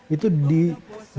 itu di bulan biasa juga